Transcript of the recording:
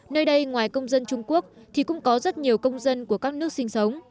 nơi đây ngoài công dân trung quốc thì cũng có rất nhiều công dân của các nước sinh sống